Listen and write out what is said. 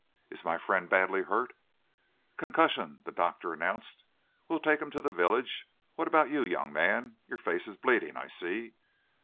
"Is my friend badly hurt?" "Concussion," the doctor announced. "We'll take him to the village. What about you, young man? Your face is bleeding, I see."